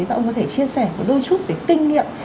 và ông có thể chia sẻ một đôi chút về kinh nghiệm